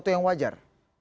satu yang wajar